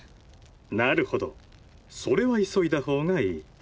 なるほどそれは急いだほうがいい。